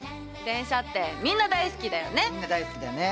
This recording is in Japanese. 電車ってみんな大好きだよね。